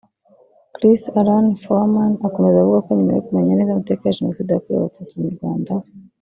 Chris Alan Foreman akomeza avuga ko nyuma yo kumenya neza amateka ya Jenoside yakorewe Abatutsi mu Rwanda